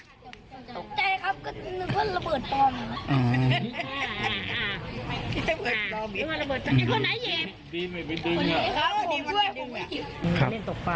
ตกใจครับก็นึกว่าระเบิดปลอม